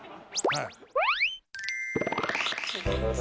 はい！